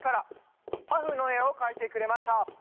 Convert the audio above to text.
「パフ」のえをかいてくれました。